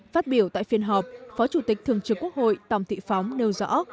phát biểu tại phiên họp phó chủ tịch thường trưởng quốc hội tổng thị phóng nêu rõ